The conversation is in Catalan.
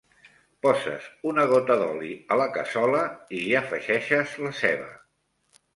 Poses una gota d'oli a la cassola i hi afegeixes la ceba.